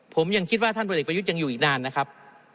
ผมยังคิดว่าท่านพลเอกประยุทธ์ยังอยู่อีกนานนะครับ